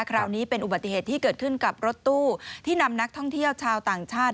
คราวนี้เป็นอุบัติเหตุที่เกิดขึ้นกับรถตู้ที่นำนักท่องเที่ยวชาวต่างชาติ